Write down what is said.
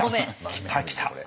来た来た。